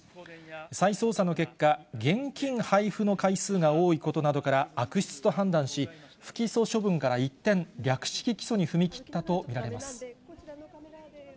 再捜査の結果、現金配布の回数が多いことなどから、悪質と判断し、不起訴処分から一転、略式起訴に踏み切ったと見られます。